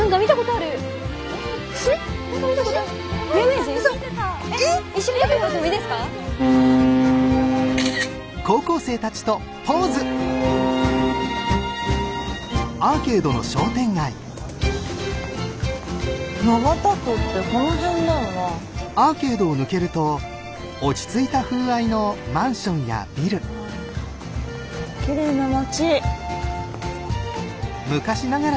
あきれいな街。